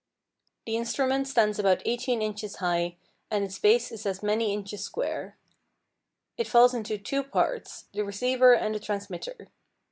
_] The instrument stands about eighteen inches high, and its base is as many inches square. It falls into two parts, the receiver and the transmitter.